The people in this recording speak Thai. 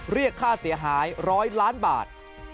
เรียกค่าเสียหาย๑๐๐ล้านบาท